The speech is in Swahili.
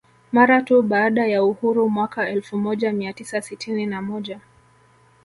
Mara tu baada ya uhuru mwaka elfu moja mia tisa sitini na moja